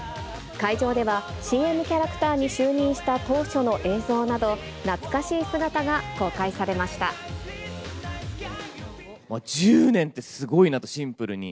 会場では、ＣＭキャラクターに就任した当初の映像など、懐かしい姿が公開さ１０年ってすごいなって、シンプルに。